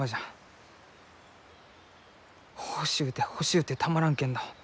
欲しゅうて欲しゅうてたまらんけんど